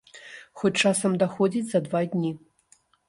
Хоць часам даходзіць за два дні.